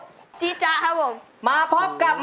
ผมรู้สึกว่าผมไอมากเลยครับผม